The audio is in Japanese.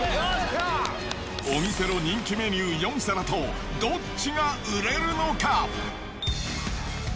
お店の人気メニュー４皿と、どっちが売れるのか？